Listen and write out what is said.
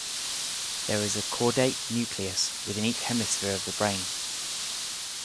There is a caudate nucleus within each hemisphere of the brain.